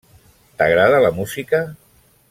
T'agrada la música?